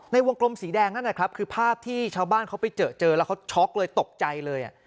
ในวงกลมสีแดงนั่นนะครับคือภาพที่ชาวบ้านเขาไปเจอเจอแล้วเขาช็อกเลยตกใจเลย